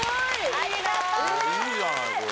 いいじゃないこれ。